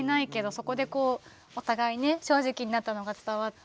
そこでこうお互いね正直になったのが伝わって。